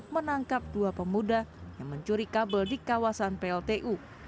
menangkap dua pemuda yang mencuri kabel di kawasan pltu